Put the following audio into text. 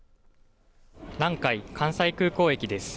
南海関西空港駅です。